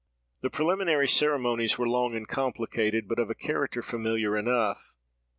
"The preliminary ceremonies were long and complicated, but of a character familiar enough.